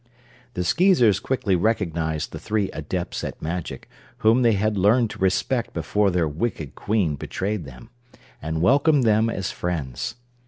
The Skeezers quickly recognized the three Adepts at Magic, whom they had learned to respect before their wicked Queen betrayed them, and welcomed them as friends.